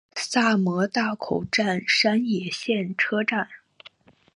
萨摩大口站山野线车站。